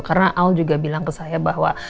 karena al juga bilang ke saya bahwa